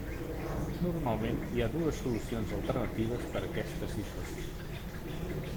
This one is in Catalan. Normalment hi ha dues solucions alternatives per a aquesta situació.